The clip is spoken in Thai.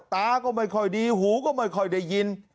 ตาก็ไม่ค่อยดีหูก็ไม่ค่อยได้ยิน